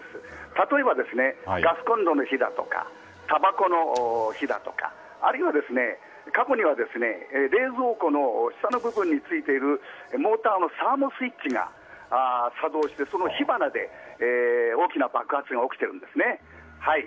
例えば、ガスコンロの火だとかたばこの火だとかあるいは過去には冷蔵庫の下の部分についているモーターのサーモスイッチが作動してその火花で大きな爆発が起きています。